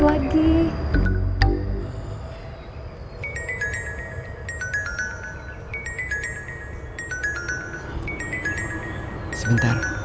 dalam kesehatanick memang tetap nose